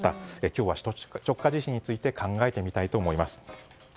今日は首都直下地震について考えてみたいと思います。